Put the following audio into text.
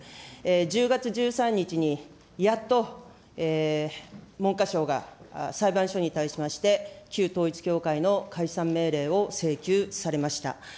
１０月１３日に、やっと文科省が裁判所に対しまして、旧統一教会の解散命令を請求されました。